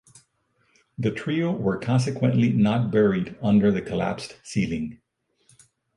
The trio were consequently not buried under the collapsed ceiling.